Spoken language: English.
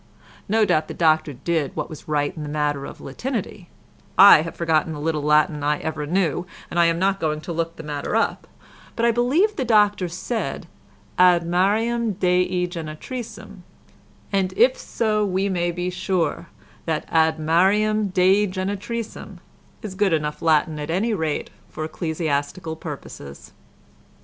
No doubt the doctor did what was right in the matter of Latinity—I have forgotten the little Latin I ever knew, and am not going to look the matter up, but I believe the doctor said Ad Mariam Dei Genetricem, and if so we may be sure that Ad Mariam Dei Genetricem, is good enough Latin at any rate for ecclesiastical purposes.